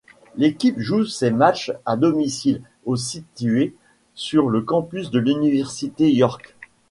L'équipe joue ses matchs à domicile au situé sur le campus de l'Université York.